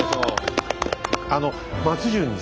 あの松潤にさ